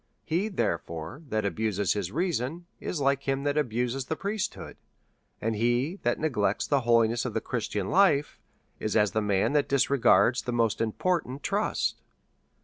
He, therefore, tliat abuses his reason is like him that abuses the priesthood ; and he that neglects the holiness of the Christian life is as the man that disre gards the most important trust.